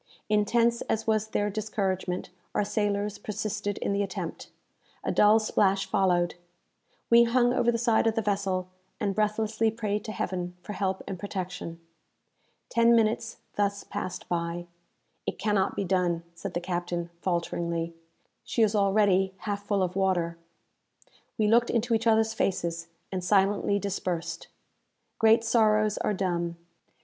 Intense as was their discouragement, our sailors persisted in the attempt. A dull splash followed. We hung over the side of the vessel, and breathlessly prayed to Heaven for help and protection. Ten minutes thus passed by. "It cannot be done," said the captain, falteringly; "she is already half full of water." We looked into each others faces, and silently dispersed. Great sorrows are dumb.